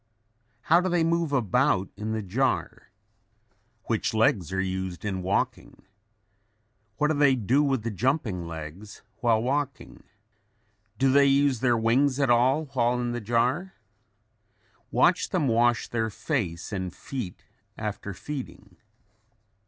How do they move about in the jar? Which legs are used in walking? What do they do with the jumping legs while walking? Do they use their wings at all while in the jar? Watch them wash their face and feet after feeding.